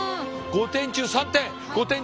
５点中３点。